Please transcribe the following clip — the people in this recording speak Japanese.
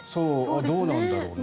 どうなんだろうね。